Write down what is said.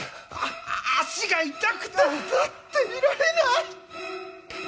足が痛くて立っていられない！